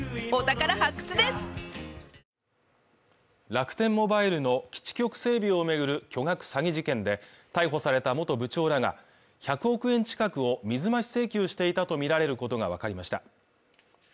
楽天モバイルの基地局整備を巡る巨額詐欺事件で逮捕された元部長らが１００億円近くを水増し請求していたとみられることがわかりました。